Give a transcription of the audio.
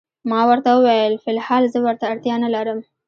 ما ورته وویل: فی الحال زه ورته اړتیا نه لرم.